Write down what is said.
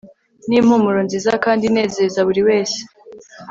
Nimpumuro nziza kandi inezeza buri wese